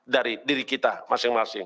dari diri kita masing masing